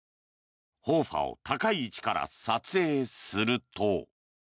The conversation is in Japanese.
和花を高い位置から撮影すると。